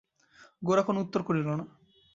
গোরা কোনো উত্তর করিল না।